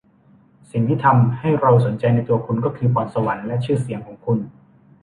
สิ่งที่ทำให้เราสนใจในตัวคุณก็คือพรสวรรค์และชื่อเสียงของคุณ